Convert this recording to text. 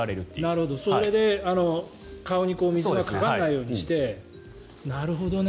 なるほど、それで顔に水がかからないようにして。